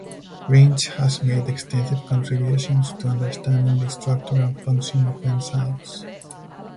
Ringe has made extensive contributions to understanding the structure and function of enzymes.